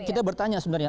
kita bertanya sebenarnya